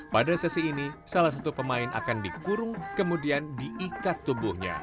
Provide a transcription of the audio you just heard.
pada sesi ini salah satu pemain akan dikurung kemudian diikat tubuhnya